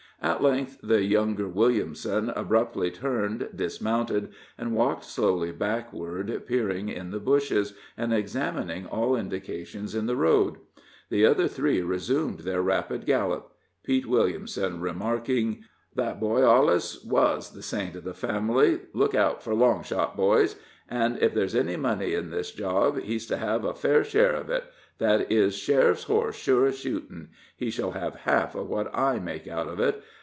At length the younger Williamson abruptly turned, dismounted, and walked slowly backward, peering in the bushes, and examining all indications in the road. The other three resumed their rapid gallop, Pete Williamson remarking: "That boy alwus was the saint of the family look out for long shot, boys! and if there's any money in this job, he's to have a fair share of that is sheriff's horse, sure as shootin' he shall have half of what I make out of it.